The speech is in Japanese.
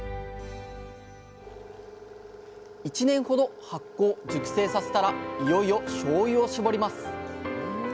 １年ほど発酵・熟成させたらいよいよしょうゆを搾ります。